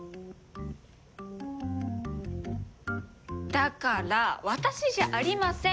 だから私じゃありません！